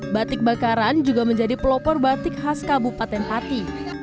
batik bakaran juga menjadi pelopor batik khas kabupaten pati